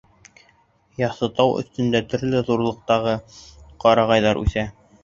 Яҫы тау өҫтөндә төрлө ҙурлыҡтағы ҡарағайҙар үҫә.